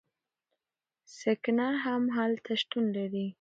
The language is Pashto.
سکینر هم هلته شتون لري.